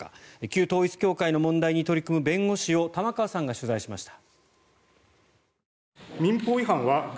旧統一教会の問題に取り組む弁護士を玉川さんが取材しました。